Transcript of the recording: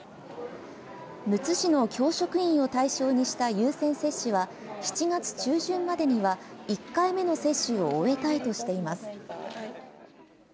むつ市の教職員を対象にした優先接種は、７月中旬までには１回目の接種を終えたいとしています。